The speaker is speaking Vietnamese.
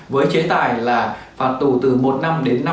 với chế tài là phạt tù từ một năm đến năm năm